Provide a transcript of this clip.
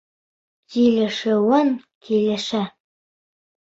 Килешеүен килешә.